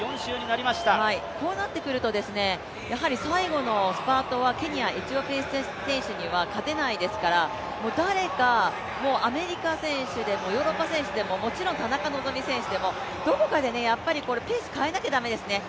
こうなってくると最後のスパートはケニア、エチオピアの選手には勝てないですから誰か、アメリカ選手でも、ヨーロッパ選手でも、もちろん田中希実選手でも、どこかでやっぱりペース変えなきゃ駄目ですね。